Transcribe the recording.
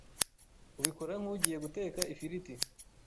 ubikora nk’ugiye guteka ifiriti